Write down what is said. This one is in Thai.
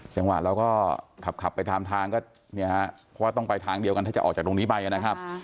จังหวะเราก็ขับไปทางทางก็เนี่ยฮะเพราะว่าต้องไปทางเดียวกันถ้าจะออกจากตรงนี้ไปนะครับ